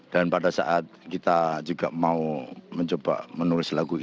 dan pada saat kita juga mau mencoba menulis lagu